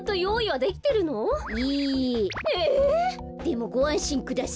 でもごあんしんください。